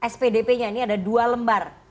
spdp nya ini ada dua lembar